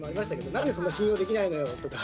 「なんでそんな信用できないのよ！」とか。